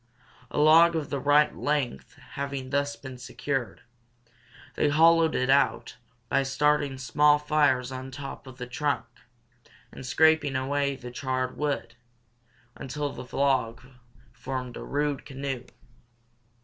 A log of the right length having thus been secured, they hollowed it out by starting small fires on top of the trunk, and scraping away the charred wood, until the log formed a rude canoe.